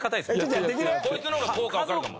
こいつの方が効果わかるかも。